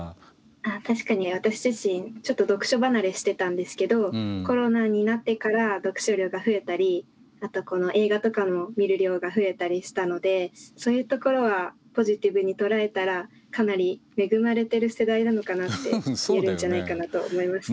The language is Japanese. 確かに私自身ちょっと読書離れしてたんですけどコロナになってから読書量が増えたりあと映画とかも見る量が増えたりしたのでそういうところはポジティブに捉えたらかなり恵まれてる世代なのかなって言えるんじゃないかなと思います。